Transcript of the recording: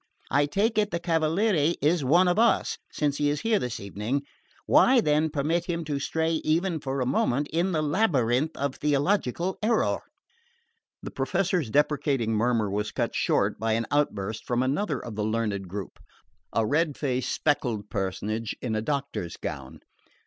I take it the Cavaliere is one of us, since he is here this evening: why, then, permit him to stray even for a moment in the labyrinth of theological error?" The Professor's deprecating murmur was cut short by an outburst from another of the learned group, a red faced spectacled personage in a doctor's gown.